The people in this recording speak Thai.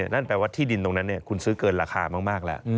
นั่นแปลว่าที่ดินตรงนั้นคุณซื้อเกินราคามากแล้ว